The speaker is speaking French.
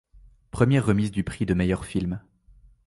Première remise du prix de meilleur film.